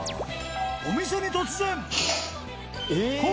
お店に突然。